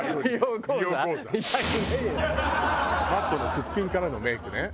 Ｍａｔｔのすっぴんからのメークね。